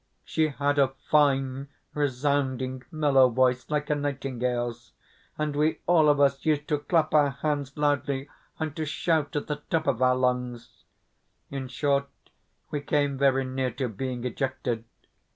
She had a fine, resounding, mellow voice like a nightingale's, and we all of us used to clap our hands loudly, and to shout at the top of our lungs. In short, we came very near to being ejected.